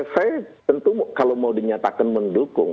saya tentu kalau mau dinyatakan mendukung